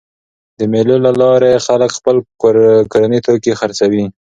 د مېلو له لاري خلک خپل کورني توکي خرڅوي.